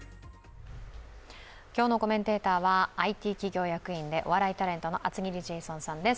今日のコメンテーターはＩＴ企業役員でお笑いタレントの厚切りジェイソンさんです。